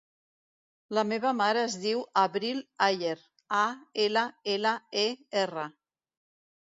La meva mare es diu Avril Aller: a, ela, ela, e, erra.